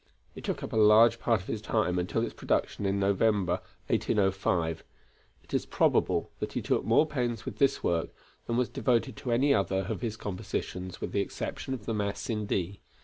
It took up a large part of his time until its production in November of 1805. It is probable that he took more pains with this work than was devoted to any other of his compositions with the exception of the Mass in D.